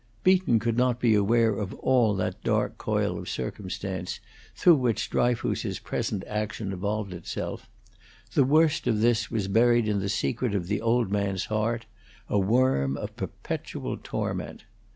Beaton could not be aware of all that dark coil of circumstance through which Dryfoos's present action evolved itself; the worst of this was buried in the secret of the old man's heart, a worm of perpetual torment.